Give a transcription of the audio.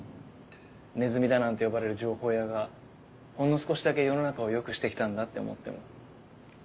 ネズミだなんて呼ばれる情報屋がほんの少しだけ世の中を良くしてきたんだって思っても。